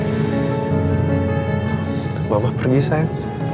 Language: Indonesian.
untuk bapak pergi sayang